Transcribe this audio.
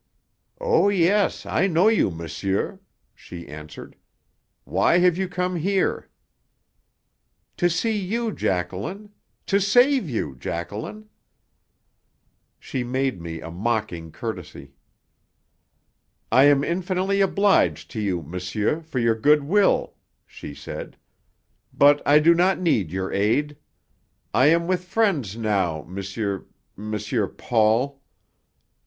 "Oh, yes; I know you, monsieur," she answered. "Why have you come here?" "To see you, Jacqueline! To save you, Jacqueline!" She made me a mocking courtesy. "I am infinitely obliged to you, monsieur, for your good will," she said; "but I do not need your aid. I am with friends now, M. M. Paul!"